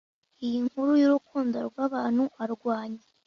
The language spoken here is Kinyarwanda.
iyi nkuru yurukundo rwabantu arwanya